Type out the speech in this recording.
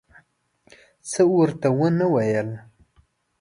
څه ورته ونه ویل.